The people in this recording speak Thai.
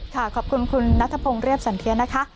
ขอบคุณคุณนัทพงศ์เรียบสันเทียนะคะ